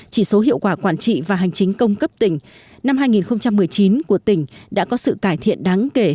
chỉ số hiệu quả quản trị và hành chính công cấp tỉnh năm hai nghìn một mươi chín của tỉnh đã có sự cải thiện đáng kể